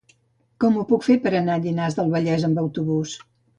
Com ho puc fer per anar a Llinars del Vallès amb autobús?